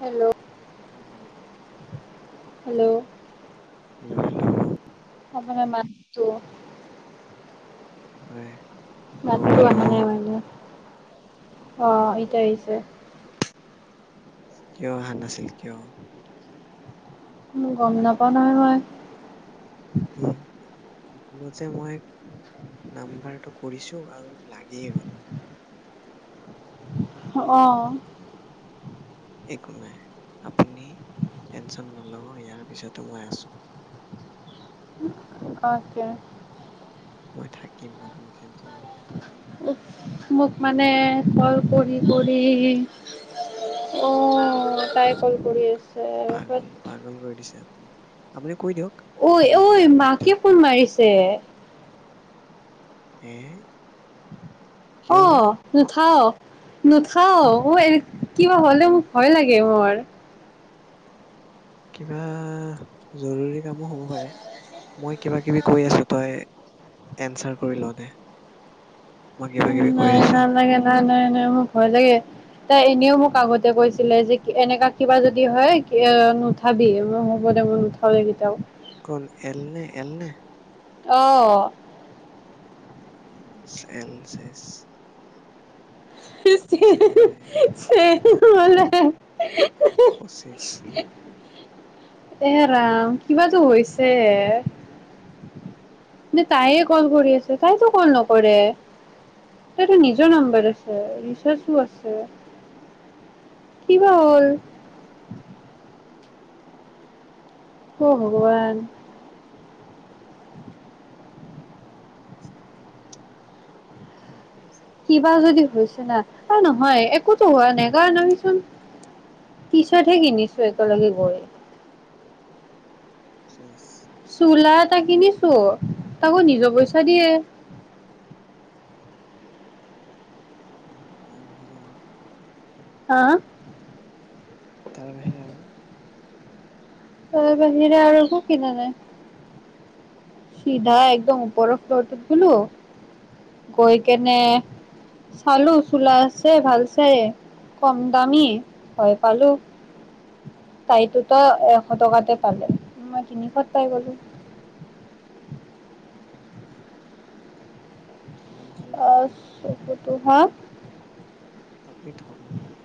Hello অ হয় hello হ আপোনাৰ মাতটো হয় হেল্ল' মাতটোো অহা নাই হেল্ল' বাইদেউ অঁ কিয় এতিয়া আহি আহিছে কিয় অহা নাছিল কিয় গম নাপা নহয় মই উম ভুলতে মই নাম্বাৰটো কৰিছো আৰু লাগিয়েই গ'ল অ অ একো নাই আপুনি টেনচন নল'ব ইয়াৰ পিছতো মই আছো অকে মই থাকিম মই তুমনি টেনশ্যন নলবা মোক মানে কল কৰি কৰি অ তাই কল কৰি আছে বাট আপনি ঐ এই মাকে ফোন মাৰিছে এই অ নুঠাও নোথাও অ এৰ কিবা হ'লে মোক ভয় লাগে মোৰ কিবা জৰুৰী কামো হ'ব পাৰে মই কিবা কিবি কৈ আছো তই এনচাৰ কৰি লওঁ দে মই কিবা কিবি কৈ নাই আছো নালাগে নালাগে ন মোক ভয় লাগে তাই এনেও মোক আগতে কৈছিলে যে এনেকা কিবা যদি। হয়, নুঠাবি। অ হ'ব দে, মই নুথাও কেতিয়াও। কোন এল নে, এলনে? অহ চেল চেছ হু হু হু হু চেল বোলে হুহু এ, ৰাম কিবাটো হৈছে। নে, তাইয়েই কল কৰি আছে। তাইতো কল নকৰে। তইতো নিজৰ নাম্বাৰ আছে। ৰিচাৰ্যো আছে। কি বা হ'ল। [inaudible] হে' ভগৱান ভাল ভালছো [unintelligible] কিবা যদি হৈছে না। না নহয়, একোতো হোৱা নাই। কাৰণ আমিচুন পিছতহে কিনিছো একেলগে গৈ। চোলাত। টা কিনিছো, তাকো নিজৰ পইচা দিয়ে। উ [unintelligible] অহ' তাৰ বাহিৰে আৰু। তাৰ বাহিৰে আৰু একো কিনা নাই। সিধা একদম ওপৰৰ ফ্ল'টোত। চালো, গৈ কেনে উম, চালো। চোলা আছে ভাল চাই, কম দামী। হয় পালো। তাই টো তা এশ টকাতে। [unintelligible] [unintelligible] ল মই তিনিশত পাই গ'লো। [inaudible] খালে অ' হল [unintelligible] আপুনি ঠগন খালে।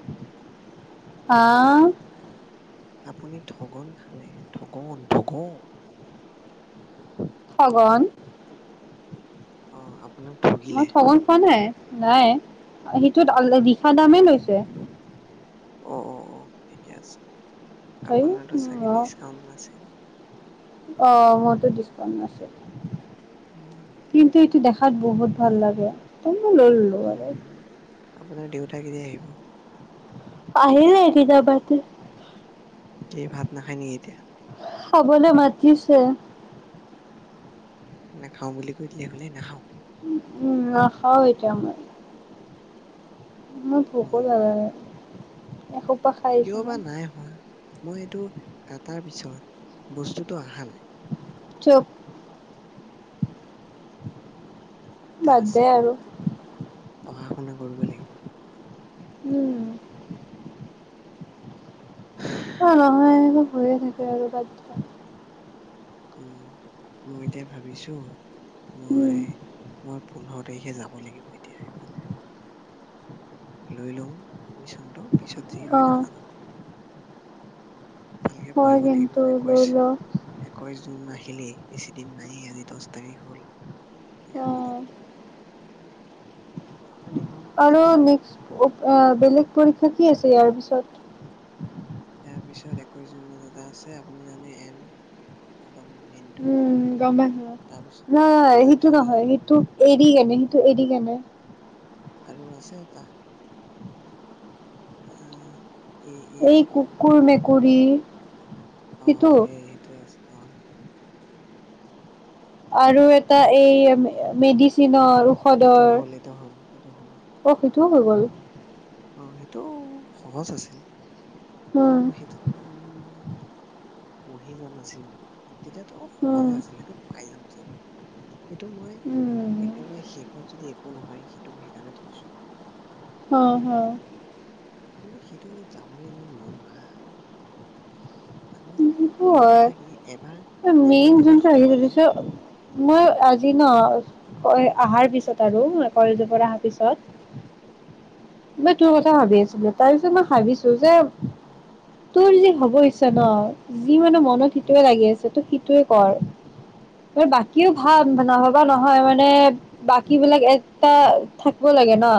অহ আপুনি ঠগন খালে। ঠগন, ঠগন। ঠগন। অ' আপোনাক। মই ঠগিলে ঠগন খোৱা নাই। মই সেইটোত অলৰেডী। খাদামেই লৈছে। অ' অ' অ ঠিকে আছে। তই আপোনাৰতো চাগে ডিচকাউন্ট নাছিল। অ মোৰতো ডিছকাউণ্ট নাছিল উম কিন্তু দেখাত বহুত ভাল লাগে অ উম, [unintelligible] আপোনাৰ দেউতা কেতিয়া আহিব আহিল [unintelligible] সি ভাত নাখায় নেকি এতিয়া খাবলৈ মাতিছে নাখাও বুলি কৈ দিলে হলে নাখাওঁ উম নাখাওঁ এতিয়া মই মোৰ ভোকো উম লগা নাই। এ খুব কিয় বা নাই হোৱা মই এইটো কাটাৰ পিছত বস্তুতটো অহা নাই। চুপ। দিগদাৰ আছে পঢ়া শুনা কৰিব লাগিব অলপ। উম। অ নহয় আৰু হৈয়ে থাকে আৰু বাদ দিয়া। উম মই এতিয়া ভাবিছো মই উম মই পোন্ধৰ তাৰিখে যাব লাগিব এতিয়া এফালে লৈ লও এডমিশ্যনটো। পিছত যি অ হয় দেখা যাব ভালকে হয় পঢ়িব লাগিব কিন্তু একৈশ, লৈ ল। একৈশ জুন আহি এনে বেছি দিন নায়েই আজি দহ তাৰিখ হ'ল [unintelligible] এঘাৰ অ' দিন আৰু বেলেগ এঘাৰ দিন পৰীক্ষা হ'ল পইচাটো সেই কি তাৰে। আছে ইয়াৰ পিছত [inaudible] তাৰ পিছত একৈশ জুনত এটা আছে আপুনি জানে এনড্ উম গম পাইছোঁ অ তাৰপিছত হাইটো তাৰপিছত নহয় সেইটো [unintelligible] এৰি কেনে কিন্তু এৰি কেনে আৰু আছে এটা উ এই কুকুৰ মেকুৰ ই [unintelligible] অ সেই সেইটোৱে আছে অ আৰু এটা এই মেডিচনৰ এইটো হ'ল এইটো হ'ল, এইটো হ'ল। অ সেইটোও হৈ গ'ল। অ সেইটো সহজ আছিল। কিন্তু উম সেইটোত মানে ইমান নাই। পঢ়ি যোৱা নাছিলোঁ। তেতিয়াতো উম সহজে আছিলে, সেইটো পাই যাম চাগে। সেইটো মই উম একেবাৰে শেষত যদি একো নহয়, সেইটো সেইকাৰণে থৈছো। হ হ। কিন্তু সিতুট যাবলৈ ইমান মন নাই। মানে। সিটো মেইন হয়, কথা কি এবাৰ অ', এবাৰ মেইন কৰ'বাত যোনটো আহি সোমালে আহিছে, মই আজি ন, উম অ', এ অহাৰ পিছত আৰু, অ', কলেজৰ পৰা অহাৰ পিছত হম। মই তোৰ কথা ভাবি আছিলোঁ, তাৰ পিছত মই ভাবিছো যে হম। তোৰ যি হ'ব হৈছে ন ই মানে মনত উম সিটোৱে লাগি আছে, ত সিটোৱে কৰ বাকীও উম উম ভাল নহ'বা নহয় হয় মানে বাকী বিলাক এটা থাকিব লাগে ন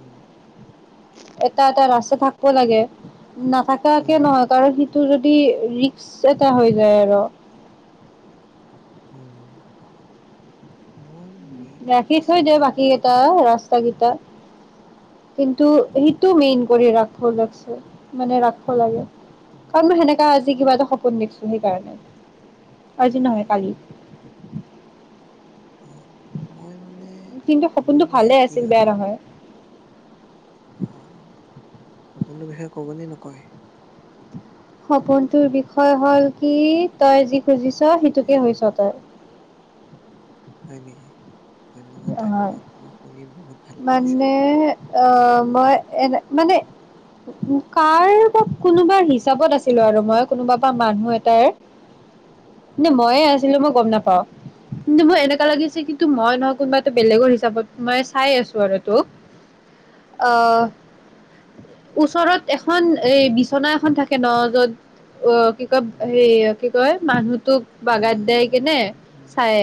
উম [inaudible] এটা এটা ৰাস্তা থাকবো লাগে নাথাকাকে উম নহয় কাৰণ সি তোৰ যদি ৰিক্স এটা হৈ যায় আৰু উম মোৰ মেইন ৰাখি থৈ আচল দে বাকী কাৰণটো এই- কেইটা ৰাস্ত চাগীতা [unintelligible] উম, কিন্তু উম, উম, সেইটো মেইন কৰি ৰাখ ভুল লাগছে মানে ৰাখবো লাগে উম, কাৰণ মই সেনেকা আজি মই কিবা এটা সপোন দেখিছো সেইকাৰণে উম, আজি নহয় কালি উম, হয়, মই মানে কিন্তু মোৰ সপোনটো মানে ভালে কি আছিল বেয়া কথা নহয়। অ' সপোনটো বিষয়ে ক'বনে, নকয়? সপোনটোৰ বিষয়ে হ'ল কি, তই যি খুজিছ এ সেইটোকে হৈছ তই। হয় নেকি? ধন্যবাদ হয় ধন্যবাদ, মই শুনি বহুত ভাল লাগিছে। মানে, আহ মই এনে মানে কাৰ বা কোনোবা হিচাপত আছিলো আৰু মই কোনোবা বা মানুহ এটাৰ নে উম, ময়ে আছিলো মই গম নাপাওঁ। ম এ [unintelligible] লাগিছে উম, কিন্তু মই ন কোনোবা বেলেগৰ হিচাপত মাই চাই আছো আৰু তোক উম, আহ ওচৰত এখন এই বিচনা এখন থাকে ন য'ত অ কি কয় উম, হেয়া কি কয়, মানুহ তোক বাগাত দাই উম, কেনে উম, উম, চাই।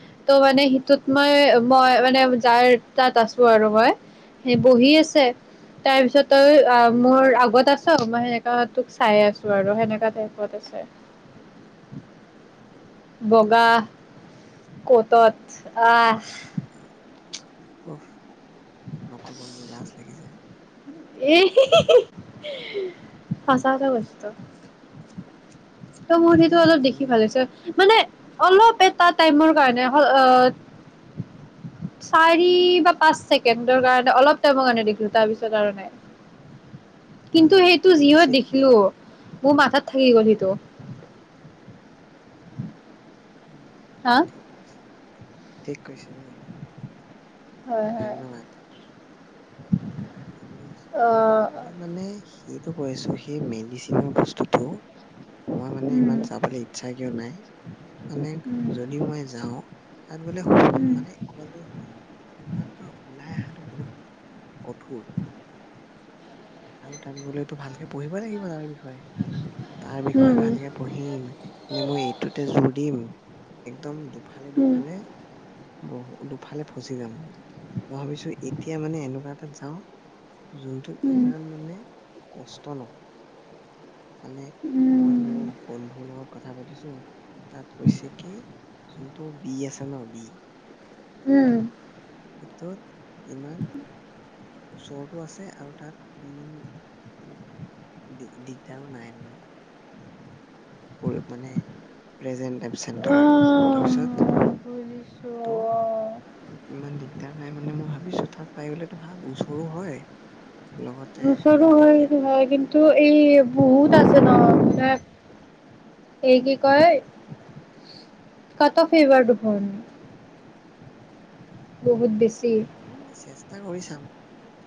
উম, ত' মানে সিটোত মই মই মানে যাৰ। তাত আছো আৰু মই। সেই বহি আছে, তাৰ পিছত তই মোৰ আগত আছ মই সেনেকা তোক চাই আছো আৰু সেনেকা টাইপত আছে। উম বগা তত আহ অফ নকব মোৰ লাজ লাগিছে। এ হে হে হে উ [unintelligible] সছা কথা কৈছো ত ত মোৰ মানে সেইটো অলপ দেখি ভাল মোৰ হৈছে। মানে, অলপ এটা টাইমৰ কাৰণে চাৰি বা পাঁচ ছেকেণ্ডৰ কাৰণে অলপ টাইমৰ কাৰণে দেখিলো তাৰপিছত আৰু নাই কিন্তু উম, সেইটো যিহত কিঞ্চিত মান দেখিলো, মোৰ মাথাত থাকি গ'লহিটো। উম হা ঠিক আছে। ঠিক কৈছে দেই। হয় হয় ধন্যবাদ। মই মানে সেইটো কৈছো সেই মে জিচি ম প্ৰস্তুত [unintelligible] মই মানে ইমান চাবলৈ ইচ্ছা কিয় নাই, মানে যদি মই যাওঁ তাত বোলে মানে ক'ৰবাত যদি সোমাও তাত ব ওলাই অহাটো বহুত কঠ আৰু তাত গ'লেতো ভালকে পঢ়িবই লাগিব তাৰ বিষয়ে। ষয়ে, তাৰ বিষয়ে ভালকে পঢ়িম, নে মই এইটোতে জোৰ দিম একদম দু দুফালে দুফালে বহু দুফালে ফচি যাম। মই ভাবিছো এতিয়া মানে এনেকুৱা তাত যাওঁ। যোনটোত ইমান মানে কষ্ট নহয়। মানে মই মোৰ বন্ধুৰ লগত কথা পাতিছো, তাত কৈছে কি যোনটো বি আছে ন' বি উম। সেইটোত ইমান ওচৰতো আছে আৰু তাত ইমান দি - দিগদাৰো নাই মানে। [unintelligible] মানে প্ৰেজেণ্ট এবচেণ্টৰ আৰু, তাৰপিছত আহ, বুজিছো ত' অ ইমান দিগদাৰ নাই মানে মই ভাবিছো তাত পাই গলেতো ভাল, ওচৰো হয়। লগতে ওচৰো লগতে হয়, কি আৰু [unintelligible] হয় কিন্তু এই বহুত আছে ন' মানে এই কি কয়, [unintelligible] বহুত বেছি। ট্ৰাই কৰি চাম।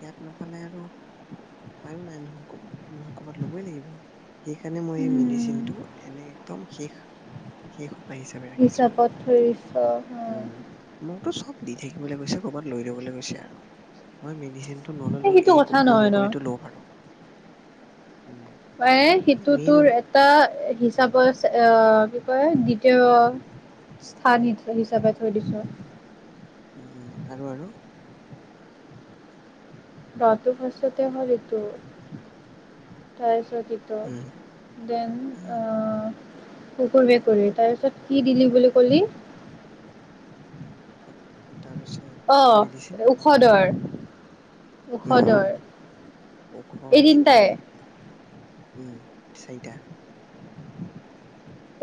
ইয়াত নাপালে আৰু উপায়ো নাই নহয়, ক'বাত নহয় ক'বাত লবই লাগিব। সেইকাৰণে মই এই মেডিচিন উম টো এনে একদম শেষ - শেষ উপায় হিচাপে ৰাখিছো আৰু হিচাপত ধৰিছ, [unintelligible] অ'। [unintelligible] কৈছে কৰবাত লৈ যাবলৈ কৈছে আৰু, মই মেডিচিন টো নল'লেও সেইটো এই কথা কুকুৰ নহয় ন মেকুৰীটো ল'ব পাৰোঁ। এ সিটো মেইন তোৰ এটা উম হিচাপতছে আ [unintelligible] দ্বিতীয় স্থান হি - হিচাপে থৈ দিছো। উম, আৰু আৰু [unintelligible] [unintelligible] দেন কুকুৰ উম উম। মেকুৰী, তাৰপিছত কি দিলি বুলি কলি? অ তাৰপিছত মেডিচিন, ঔষধৰ ঔষধৰ এই ঔষধ এইটো। তিনিটাই উম, চাৰিটা।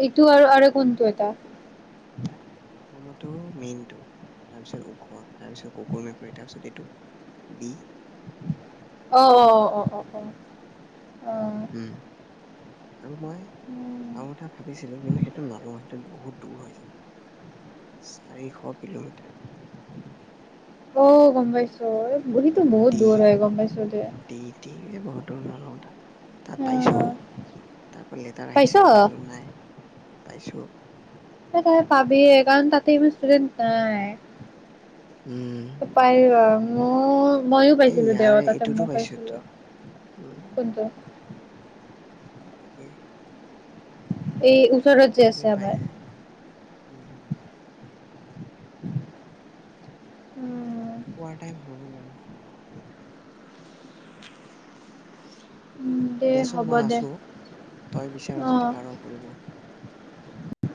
এইটো আৰু - আৰু কোনটো এটা? [unintelligible] মেইনটো, তাৰপিছত ঔষধ, তাৰপিছত কুকুৰ মেকুৰী, তাৰপিছত এইটো বি অ', অ', অ', অ', অ', অ'। উম। আৰু মই আৰু এটা ভাবিছিলো, কিন্তু সেইটো নলওঁ সেইটোত বহুত দূৰ হৈ যায়, চাৰিশ কিলোমিটাৰ। অ' গম পাইছোঁ। [unintelligible] তুমি তো বহুত দূৰ হয় গম পাইছো সেই বহুত দূৰ নহ তাৰ তাত পাইছোঁ তাৰ পৰা লেটাৰ পাইছ আহিছে কিন্তু নাই পাইছো তাই পাবিয়ে কাৰণ তাতে ইমান ষ্টুডেন্ট উম নাই পাৰিবা অঁ ময়ো এই পাইছিলো ইয়াৰ দেৱ তাতে এইটোতো মই পাইছো তো পাইছিলো কোনটো তাকে এই ওচৰতৰত যে আছে আমাৰ যায় আৰু। উম উম উম [unintelligible] উম। খোৱাৰ টাইম হৈ গল আৰু অঁ উম দে দেচোন হ'ব মই দে আছো তই বিচাৰ যদি অ'। পাৰ কৰিব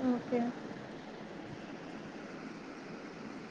অকে